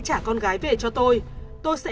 trả con gái về cho tôi tôi sẽ